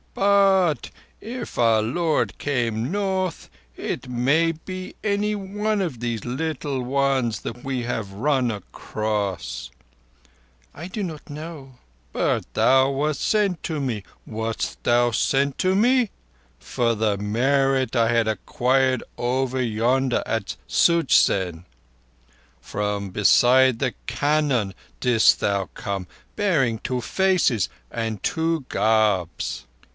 "But—if our Lord came North, it may be any one of these little ones that we have run across." "I do not know." "But thou wast sent to me—wast thou sent to me?—for the merit I had acquired over yonder at Such zen. From beside the cannon didst thou come—bearing two faces—and two garbs."